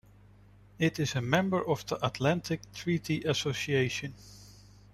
It is a member of the Atlantic Treaty Association.